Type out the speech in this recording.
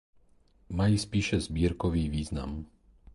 Mají spíše sbírkový význam.